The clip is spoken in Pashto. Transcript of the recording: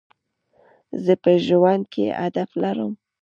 زه په ژوند کي هدف لرم.